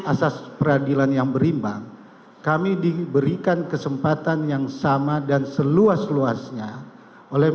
asas peradilan yang berimbang kami diberikan kesempatan yang sama dan seluas luasnya oleh